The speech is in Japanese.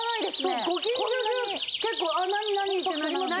そうご近所中結構何何？ってなりますよね。